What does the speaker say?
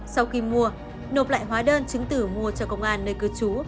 sau khi mua nộp lại hóa đơn chứng tử mua cho công an nơi cư trú